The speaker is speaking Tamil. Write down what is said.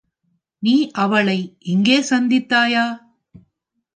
நீ அவளை இங்கே சந்தித்தாயா?